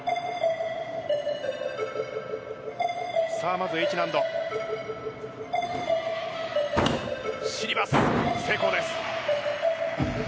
まずＨ難度、シリバス成功です。